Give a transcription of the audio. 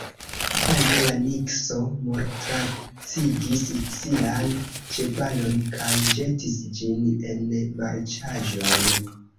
Foje la nikso mortlacigis sian ĉevalon kaj ĵetis ĝin en marĉaĵon.